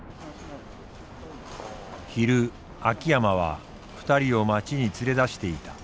昼秋山は２人を街に連れ出していた。